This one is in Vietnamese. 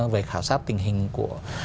về khảo sát tình hình của